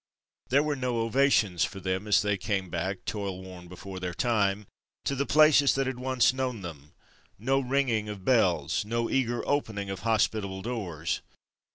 There were no ovations for them as they came back, toilworn before their time, to the places that had once known them; no ringing of bells; no eager opening of hospitable doors.